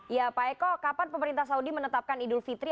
ya pak eko kapan pemerintah saudi menetapkan idul fitri